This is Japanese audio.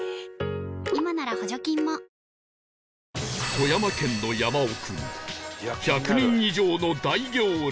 富山県の山奥に１００人以上の大行列